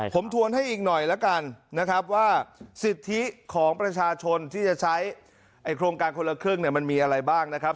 ผมทวนให้อีกหน่อยแล้วกันนะครับว่าสิทธิของประชาชนที่จะใช้โครงการคนละครึ่งเนี่ยมันมีอะไรบ้างนะครับ